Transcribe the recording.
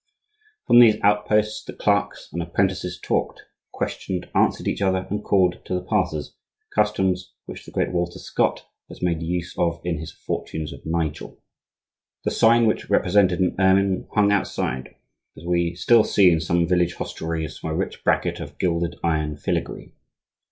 From these outposts, the clerks and apprentices talked, questioned, answered each other, and called to the passers,—customs which the great Walter Scott has made use of in his "Fortunes of Nigel." The sign, which represented an ermine, hung outside, as we still see in some village hostelries, from a rich bracket of gilded iron filagree.